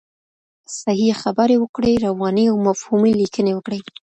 صحیح خبرې وکړئ، روانې او مفهومي لیکنې وکړئ.